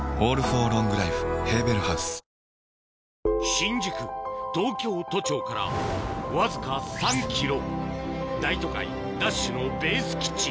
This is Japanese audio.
新宿東京都庁からわずか３ｋｍ大都会ＤＡＳＨのベース基地